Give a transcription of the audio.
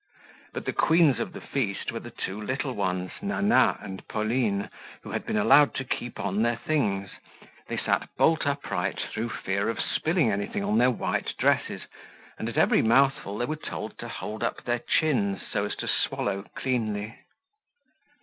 But the queens of the feast were the two little ones, Nana and Pauline, who had been allowed to keep on their things; they sat bolt upright through fear of spilling anything on their white dresses and at every mouthful they were told to hold up their chins so as to swallow cleanly.